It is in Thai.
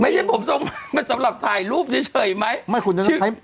ไม่ใช่ผมทรงมันสำหรับถ่ายรูปเฉยไหมไม่คุ้นชื่อ